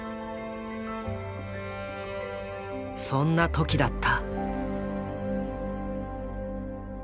そんな時だった。